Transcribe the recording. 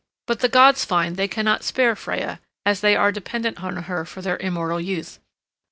But the gods find they cannot spare Freya, as they are dependent on her for their immortal youth.